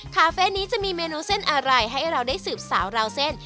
คาเฟ่นี้จะมีเมนูเส้นอะไรให้เราได้สืบสาวราวเส้น